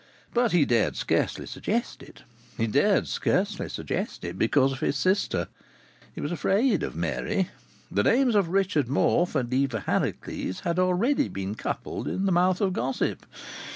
But he dared scarcely suggest it. He dared scarcely suggest it because of his sister. He was afraid of Mary. The names of Richard Morfe and Eva Harracles had already been coupled in the mouth of gossip.